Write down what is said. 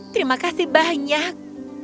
terima kasih banyak